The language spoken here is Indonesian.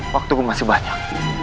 waktuku masih banyak